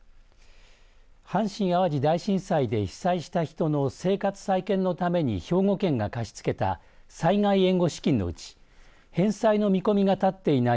阪神・淡路大震災で被災した人の生活再建のために兵庫県が貸し付けた災害援護資金のうち返済の見込みが立っていない